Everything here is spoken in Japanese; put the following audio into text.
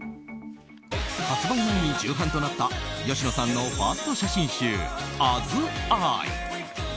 発売前に重版となった吉野さんのファースト写真集、「Ａｓｉ」。